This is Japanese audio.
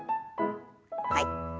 はい。